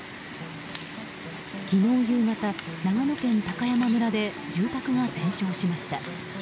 昨日夕方、長野県高山村で住宅が全焼しました。